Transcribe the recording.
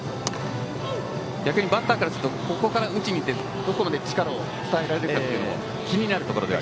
逆にバッターからするとここから打ちにいってどこまで力を伝えられるかも気になるところです。